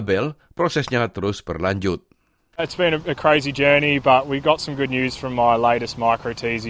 mereka memantau perkembangan penggunaan dan dampak teknologi atau ai dalam sistem teknologi yang berkelanjutan terhadap kesehatan yang berkelanjutan di dunia